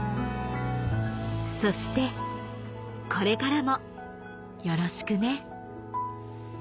「そしてこれからもよろしくね。